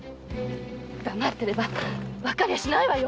黙ってればわかりゃしないわよ！